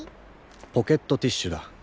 ポケットティッシュだ。